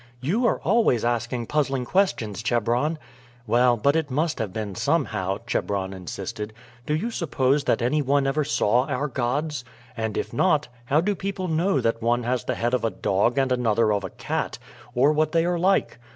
"You are always asking puzzling questions, Chebron." "Well, but it must have been somehow," Chebron insisted. "Do you suppose that any one ever saw our gods? and if not, how do people know that one has the head of a dog and another of a cat, or what they are like?